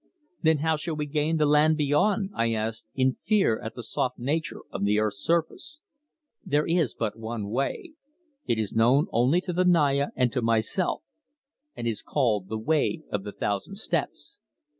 "Then how shall we gain the land beyond?" I asked in fear at the soft nature of the earth's surface. "There is but one way. It is known only to the Naya and to myself, and is called the Way of the Thousand Steps.